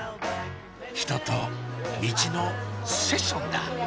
人とミチのセッションだ